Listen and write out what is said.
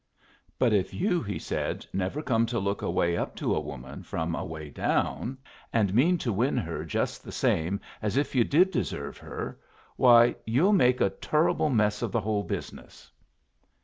But if you," he said, "never come to look away up to a woman from away down, and mean to win her just the same as if you did deserve her, why, you'll make a turruble mess of the whole business!"